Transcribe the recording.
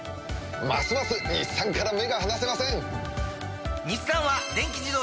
ますます日産から目が離せません！